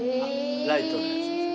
ライトなやつですか。